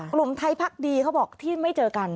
กลุ่มไทยพักดีเขาบอกที่ไม่เจอกัน